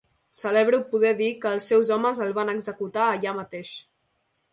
Celebro poder dir que els seus homes el van executar allà mateix